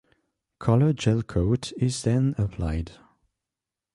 Colored gelcoat is then applied.